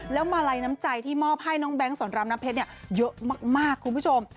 แล้วมาลัยน้ำใจที่มอบให้น้องแก๊งสอนรามน้ำเพชรเยอะมากคุณผู้ชม